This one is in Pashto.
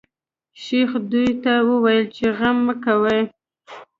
شیخ دوی ته وویل چې غم مه کوی.